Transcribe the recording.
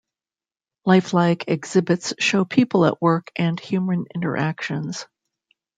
Lifelike exhibits show people at work and human interactions.